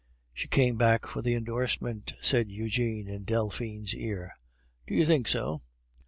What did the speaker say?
"She came back for the endorsement," said Eugene in Delphine's ear. "Do you think so?"